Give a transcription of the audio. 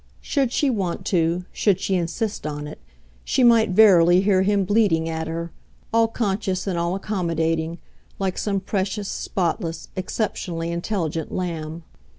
Should she want to, should she insist on it, she might verily hear him bleating it at her, all conscious and all accommodating, like some precious, spotless, exceptionally intelligent lamb.